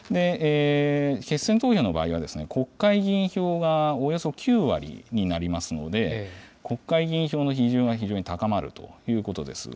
決選投票の場合は、国会議員票がおよそ９割になりますので、国会議員票の比重が非常に高まるということです。